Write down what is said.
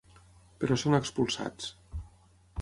Però són expulsats.